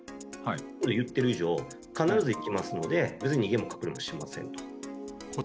これ、言ってる以上、必ず行きますので、別に逃げも隠れもしませんと。